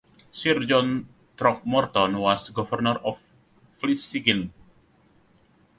Sir John Throckmorton was Governor of Vlissingen.